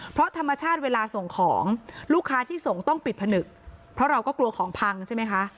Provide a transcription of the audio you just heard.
เพราะธรรมชาติเวลาส่งของลูกค้าที่ส่งต้องปิดผนึกเพราะเราก็กลัวของพังใช่ไหมคะ